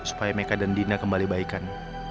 supaya meka dan dina kembali kebaikan